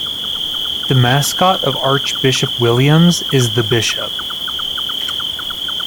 The mascot of Archbishop Williams is The Bishop.